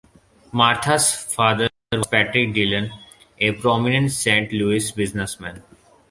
Martha's father was Patrick Dillon, a prominent Saint Louis businessman.